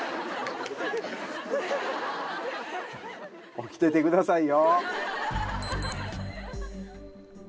起きててくださいよ。